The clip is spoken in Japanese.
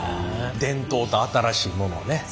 伝統と新しいものをね